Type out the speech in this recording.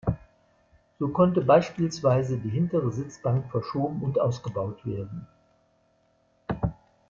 So konnte beispielsweise die hintere Sitzbank verschoben und ausgebaut werden.